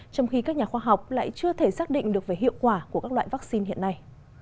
trong khi các nhà khoa học lại chưa thể xác định được về hiệu quả của các loại vaccine hiện nay